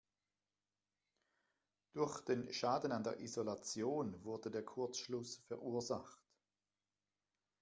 Durch den Schaden an der Isolation wurde der Kurzschluss verursacht.